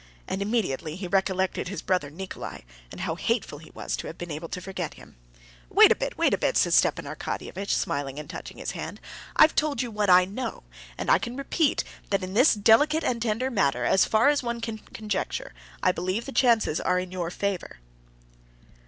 And immediately he recollected his brother Nikolay and how hateful he was to have been able to forget him. "You wait a bit, wait a bit," said Stepan Arkadyevitch, smiling and touching his hand. "I've told you what I know, and I repeat that in this delicate and tender matter, as far as one can conjecture, I believe the chances are in your favor."